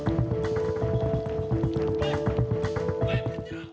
jangan lupa like subscribe share dan share ya